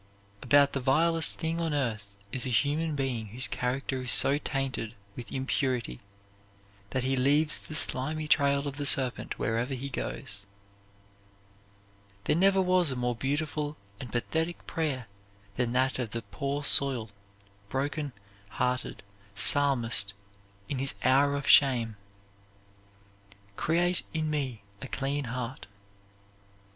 About the vilest thing on earth is a human being whose character is so tainted with impurity that he leaves the slimy trail of the serpent wherever he goes. There never was a more beautiful and pathetic prayer than that of the poor soiled, broken hearted Psalmist in his hour of shame, "Create in me a clean heart."